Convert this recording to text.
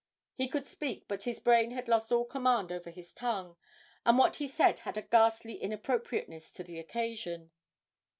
He could speak, but his brain had lost all command over his tongue, and what he said had a ghastly inappropriateness to the occasion.